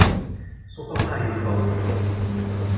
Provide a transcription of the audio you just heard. Son format est rock.